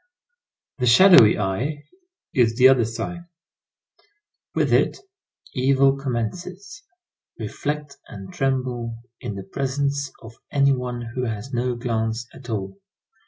The shadowy eye is the other sign. With it, evil commences. Reflect and tremble in the presence of any one who has no glance at all.